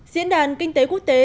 diễn đàn kinh tế quốc tế